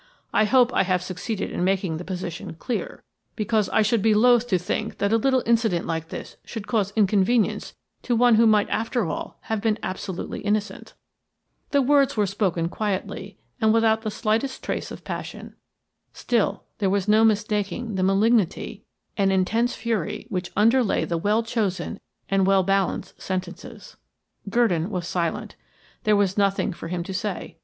I hope I have succeeded in making the position clear, because I should be loth to think that a little incident like this should cause inconvenience to one who might after all have been absolutely innocent." The words were spoken quietly, and without the slightest trace of passion. Still, there was no mistaking the malignity and intense fury which underlay the well chosen and well balanced sentences. Gurdon was silent; there was nothing for him to say.